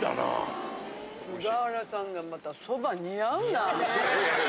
菅原さんがまたそば似合うな。